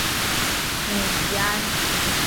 母吉安。